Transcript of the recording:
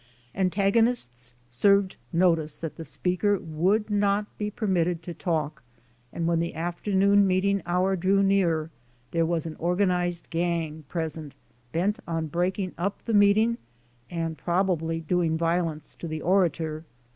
Antag onists served notice that the speaker would not be permitted to talk, and when the afternoon meeting hour drew near there was an organized gang present bent on breaking up the meet ing and probably doing violence to the orator.